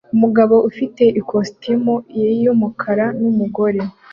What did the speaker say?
Umugabo ufite ikositimu yumukara numugore